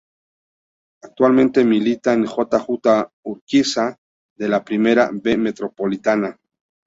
Actualmente milita en J. J. Urquiza de la Primera B Metropolitana.